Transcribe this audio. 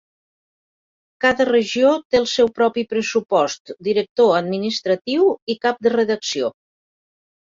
Cada regió té el seu propi pressupost, director administratiu i cap de redacció.